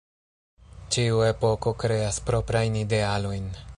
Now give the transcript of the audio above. Ĉiu epoko kreas proprajn idealojn.